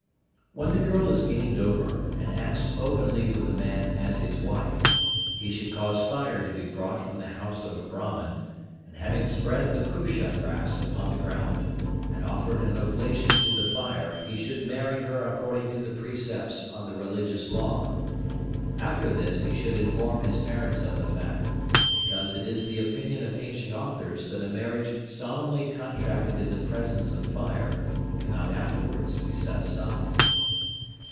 _ When the girl is gained over, and acts openly with the man as his wife, he should cause fire to be brought from the house of a Brahman, and having spread the Kusha grass upon the ground, and offered an oblation to the fire he should marry her according to the precepts of the religious law. After this he should inform his parents of the fact, because it is the opinion of ancient authors that a marriage solemnly contracted in the presence of fire cannot afterwards be set aside.